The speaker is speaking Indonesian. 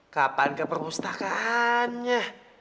kapan ke perpustakaannya